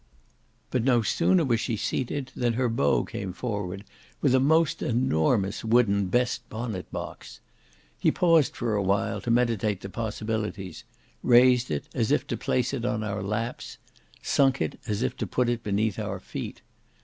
But no sooner was she seated, than her beau came forward with a most enormous wooden best bonnet box. He paused for a while to meditate the possibilities—raised it, as if to place it on our laps—sunk it, as if to put it beneath our feet.